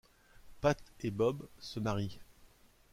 Pat et Bob se marient.